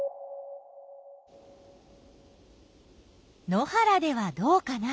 野原ではどうかな。